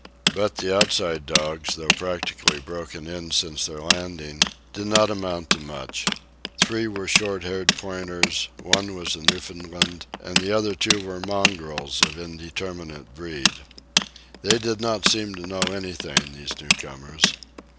But the Outside dogs, though practically broken in since their landing, did not amount to much. Three were short haired pointers, one was a Newfoundland, and the other two were mongrels of indeterminate breed. They did not seem to know anything, these newcomers.